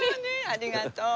ありがとう。